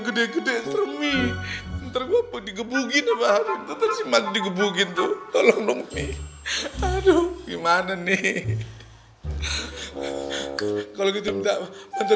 gede gede sering tergolong digebukin bahan tersebut digebukin tuh tolong nungki aduh gimana